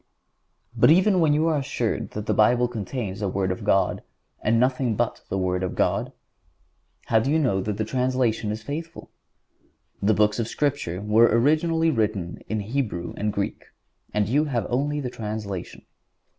But even when you are assured that the Bible contains the Word of God, and nothing but the Word of God, how do you know that the translation is faithful? The Books of Scripture were originally written in Hebrew and Greek, and you have only the translation.